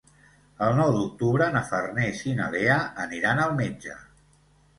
El nou d'octubre na Farners i na Lea aniran al metge.